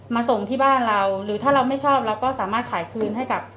ส่งที่บ้านเราหรือถ้าเราไม่ชอบเราก็สามารถขายคืนให้กับ